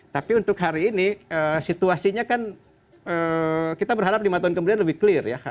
tapi untuk hari ini situasinya kan kita berharap lima tahun kemudian lebih clear ya